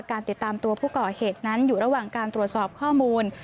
การติดตามตัวผู้ก่อเหตุนั้นอยู่ระหว่างการตรวจสอบข้อมูล